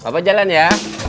bapak jalan ya